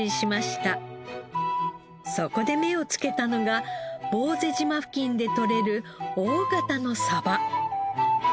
そこで目をつけたのが坊勢島付近でとれる大型のサバ。